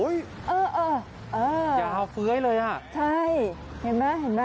อย่าเอาเฟ้ยเลยค่ะใช่เห็นไหม